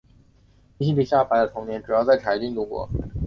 伊丽莎白的童年主要在柴郡度过。